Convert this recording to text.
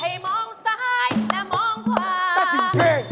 มองซ้ายและมองขวา